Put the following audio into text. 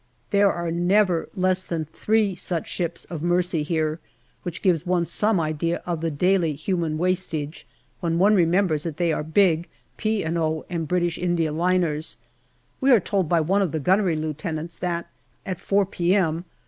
There are never less than three such ships of mercy here, which gives one some idea of the daily human wastage, when one remembers that they are big P. & O. and B. I. liners. We are told by one of the Gunnery Lieutenants that at 4 p.m.